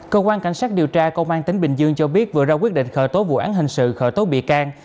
cơ quan cảnh sát điều tra công an tỉnh bình dương cho biết vừa ra quyết định khởi tố vụ án hình sự khởi tố bị can